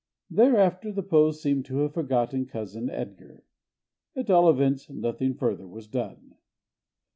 Thereafter the Poes seem to have forgotten Cousin Edgar; at all events, nothing further was done.